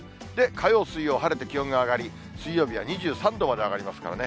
火曜、水曜、晴れて気温が上がり、水曜日は２３度まで上がりますからね。